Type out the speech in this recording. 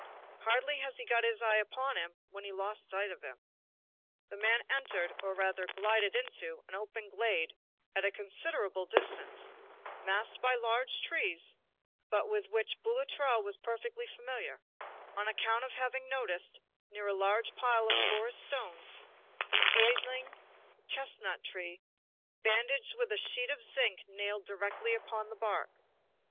Hardly had he got his eye upon him when he lost sight of him. The man entered, or rather, glided into, an open glade, at a considerable distance, masked by large trees, but with which Boulatruelle was perfectly familiar, on account of having noticed, near a large pile of porous stones, an ailing chestnut tree bandaged with a sheet of zinc nailed directly upon the bark.